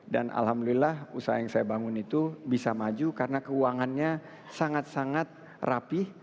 alhamdulillah usaha yang saya bangun itu bisa maju karena keuangannya sangat sangat rapih